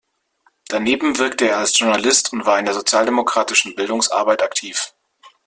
Daneben wirkte er als Journalist und war in der sozialdemokratischen Bildungsarbeit aktiv.